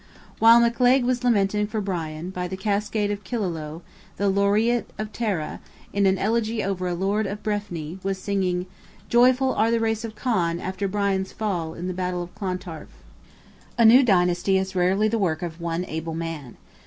While McLaig was lamenting for Brian, by the cascade of Killaloe, the Laureat of Tara, in an elegy over a lord of Breffni, was singing— "Joyful are the race of Conn after Brian's Fall, in the battle of Clontarf." A new dynasty is rarely the work of one able man.